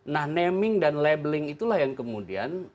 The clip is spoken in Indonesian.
nah naming dan labeling itulah yang kemudian